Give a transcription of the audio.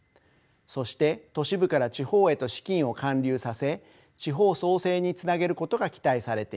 そして都市部から地方へと資金を還流させ地方創生につなげることが期待されています。